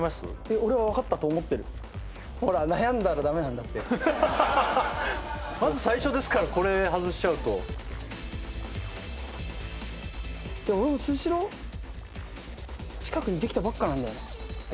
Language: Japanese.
俺は分かったと思ってるほら悩んだらダメなんだってまず最初ですからこれ外しちゃうとでも俺もスシロー近くにできたばっかなんだよなご